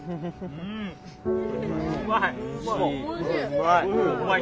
うまい。